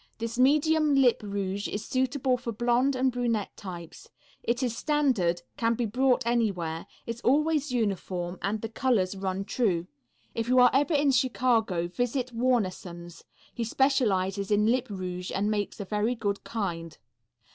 This medium lip rouge is suitable for blonde and brunette types. It is standard, can be bought anywhere, is always uniform and the colors run true. If you are ever in Chicago, visit Warnesson's. He specializes in lip rouge and makes a very good kind.